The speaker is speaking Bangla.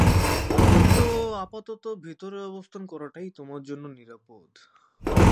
তো আপাতত ভেতরে অবস্থান করাটাই তোমার জন্য নিরাপদ।